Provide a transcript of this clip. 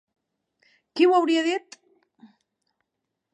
Qui ho hauria dit?